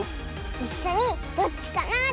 いっしょに「どっちかなあ？」